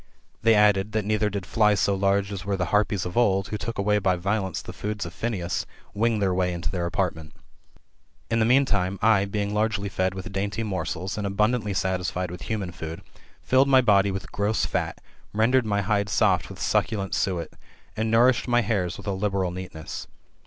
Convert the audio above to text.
They added, that neither did flies so large as were the Harpies of old, who took away by violence the food of Phineas, wing their way mto their apartment. In the meantime, I, being largely fed with dainty morsels, and abundantly satisfied with human food, filled my body with gross fat ; rendered my hide soft with succulent suet ; and nourished my hairs with a liberal neatness.